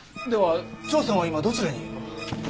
では張さんは今どちらに？